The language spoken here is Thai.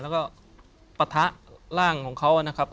แล้วก็ปะทะร่างของเขานะครับ